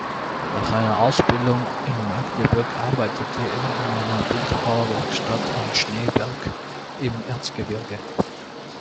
Nach einer Ausbildung in Magdeburg arbeitete er in einer Bildhauerwerkstatt in "Schneeberg" im Erzgebirge.